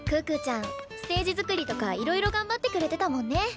可可ちゃんステージ作りとかいろいろ頑張ってくれてたもんね。